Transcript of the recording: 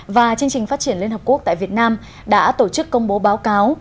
và chương trình phát triển liên hợp quốc tại việt nam đã tổ chức công bố báo cáo